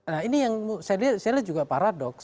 nah ini yang saya lihat juga paradoks